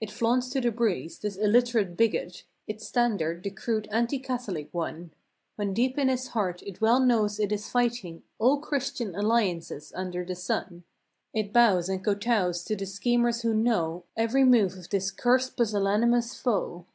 It flaunts to the breeze—this illiterate bigot— Its standard, the crude anti Catholic one; When deep in its heart it well knows it is fighting All Christian alliances under the sun; It bows and kow tows to the schemers who know Every move of this curst, pusillanimous foe.